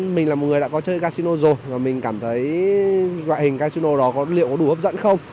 mình là một người đã có chơi casino rồi và mình cảm thấy loại hình casino đó có liệu có đủ hấp dẫn không